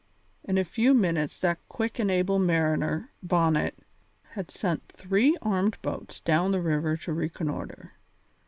In a few minutes that quick and able mariner, Bonnet, had sent three armed boats down the river to reconnoitre.